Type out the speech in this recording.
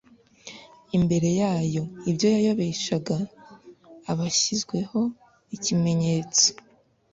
imbere yayo ibyo yayobeshaga abashyizweho ikimenyetso